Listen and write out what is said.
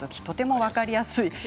とても分かりやすい。